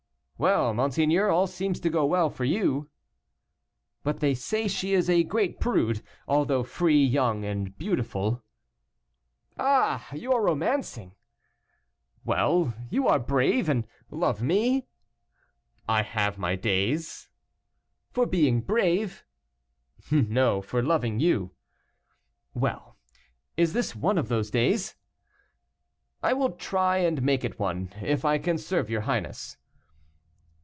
"Well, monseigneur, all seems to go well for you." "But they say she is a great prude, although free, young, and beautiful." "Ah! you are romancing." "Well, you are brave, and love me?" "I have my days." "For being brave?" "No, for loving you." "Well, is this one of the days?" "I will try and make it one, if I can serve your highness."